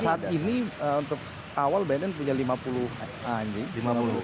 saat ini untuk awal bnn punya lima puluh anjing